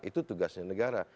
itu tugasnya negara